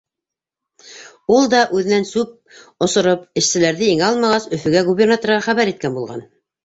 Ул да, үҙенән сүп осороп, эшселәрҙе еңә алмағас, Өфөгә губернаторға хәбәр иткән булған.